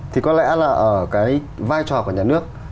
thì có lẽ là ở cái vai trò của nhà nước